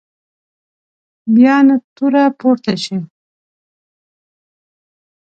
بیا نه توره پورته شي.